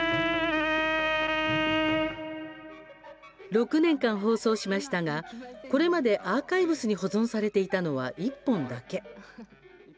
６年間放送しましたがこれまでアーカイブスに保存されていたのは１本だけ。